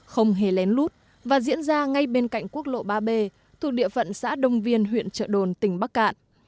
không hề lén lút và diễn ra ngay bên cạnh quốc lộ ba b thuộc địa phận xã đông viên huyện trợ đồn tỉnh bắc cạn